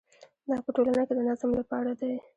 دا په ټولنه کې د نظم لپاره دی.